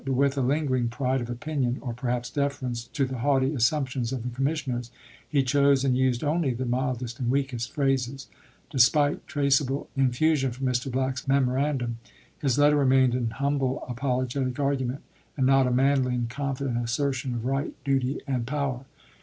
But with a lingering pride of opinion, or perhaps deference to the haughty assumptions of the commissioners, he chose and used only the mildest and weakest phrases. Despite traceable infusion from Mr. Black's memorandum, his letter remained an humble, apologetic argument, and not a manly and confident assertion of right, duty, and Black, "Es THE CABINET KEGIME 83 power.